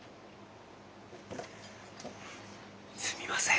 すみません。